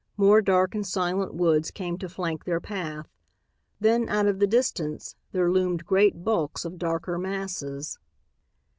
More dark and silent woods came to flank their path. Then out of the distance there loomed great bulks of darker masses.